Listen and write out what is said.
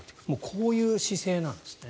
こういう姿勢なんですね。